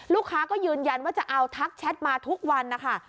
ลูกค้าก็ยืนยันว่าจะเอาทักแชทมาทุกวันนะคะ